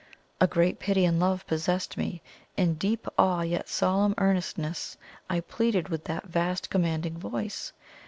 A great pity and love possessed me. In deep awe, yet solemn earnestness, I pleaded with that vast commanding voice.